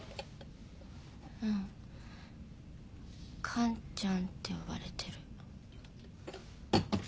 完ちゃんて呼ばれてる。